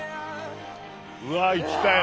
うわ行ったよ